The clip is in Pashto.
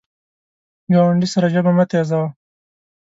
ګاونډي سره ژبه مه تیزوه